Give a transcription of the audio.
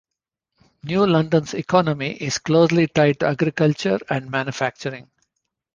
New London's economy is closely tied to agriculture and manufacturing.